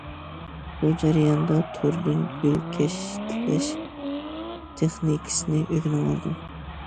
شۇ جەرياندا توردىن گۈل كەشتىلەش تېخنىكىسىنى ئۆگىنىۋالدىم.